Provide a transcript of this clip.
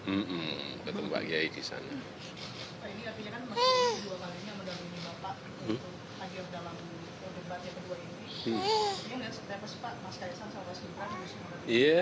mas kajah sama pak kiai di sana ya